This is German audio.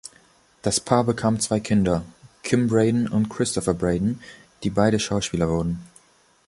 Das Paar bekam zwei Kinder, Kim Braden und Christopher Braden, die beide Schauspieler wurden.